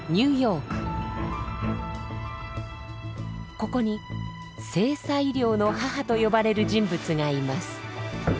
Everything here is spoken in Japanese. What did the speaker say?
ここに性差医療の母と呼ばれる人物がいます。